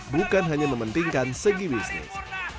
bukan hanya mementingkan segi bisnis